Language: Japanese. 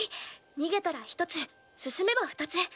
逃げたら１つ進めば２つ。